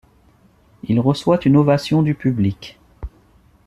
Il reçoit une ovation du public.